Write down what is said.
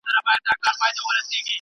هم په دې پوه نه شوم